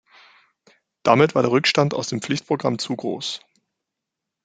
Damit war der Rückstand aus dem Pflichtprogramm zu groß.